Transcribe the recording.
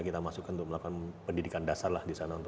kita masukkan untuk melakukan pendidikan dasar lah di sana